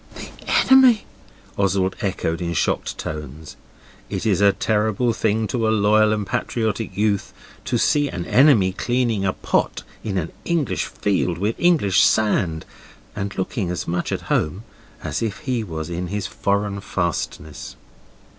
'The enemy!' Oswald echoed in shocked tones. It is a terrible thing to a loyal and patriotic youth to see an enemy cleaning a pot in an English field, with English sand, and looking as much at home as if he was in his foreign fastnesses.